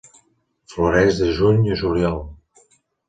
Floreix de juny a juliol.